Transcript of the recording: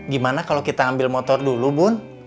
gimana kalau kita ambil motor dulu bun